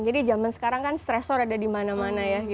jadi zaman sekarang kan stressor ada di mana mana ya